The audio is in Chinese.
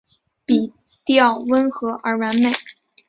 笔调温润而完美